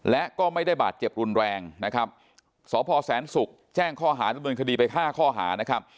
และก็ไม่ได้บาดเจ็บรุนแรงนะครับสพแสนศุกร์แจ้งข้อหาดำเนินคดีไปห้าข้อหานะครับ